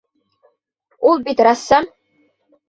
Ул бит рәссам!